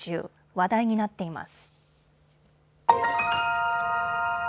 話題になっています。